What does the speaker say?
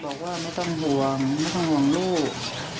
บอกว่าไม่ต้องห่วงไม่ต้องห่วงลูก